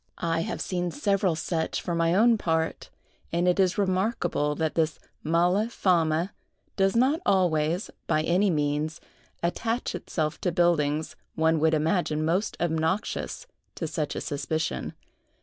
I have seen several such, for my own part; and it is remarkable that this mala fama does not always, by any means, attach itself to buildings one would imagine most obnoxious to such a suspicion.